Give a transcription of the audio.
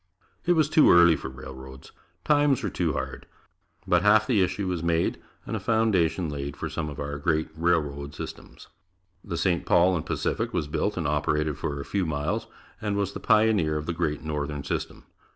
It was too early for railroads. Times were too hard. But half the issue was made, and a foundation laid for some of our great railroad systems. The St. Paul and Pacific was built and operated for a few miles and was the pioneer of the Great Northern system.